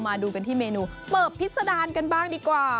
มาดูกันที่เมนูเปิบพิษดารกันบ้างดีกว่า